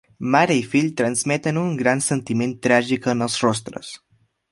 Mare i fill transmeten un gran sentiment tràgic en els rostres.